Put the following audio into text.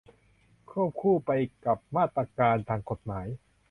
ควบคู่ไปกับมาตรการทางกฎหมาย